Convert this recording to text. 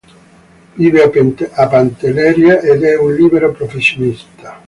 Vive a Pantelleria ed è libero professionista.